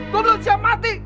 gue belum siap mati